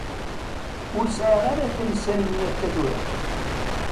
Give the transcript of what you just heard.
Ur sɛiɣ ara tansa-nni akka tura.